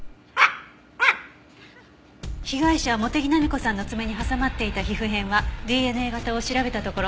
被害者茂手木浪子さんの爪に挟まっていた皮膚片はＤＮＡ型を調べたところ